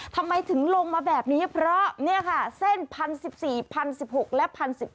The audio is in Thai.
ทำไมถึงลงมาแบบนี้เพราะนี่ค่ะเส้น๑๐๑๔๐๑๖และ๑๐๑๙